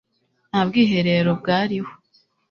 nta bwiherero bwariho